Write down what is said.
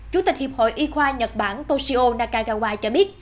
chủ tịch hiệp hội y khoa nhật bản toshio nakagawa cho biết